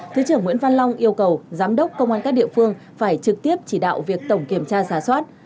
thứ trưởng nguyễn văn long yêu cầu giám đốc công an các địa phương phải trực tiếp chỉ đạo việc tổng kiểm tra giả soát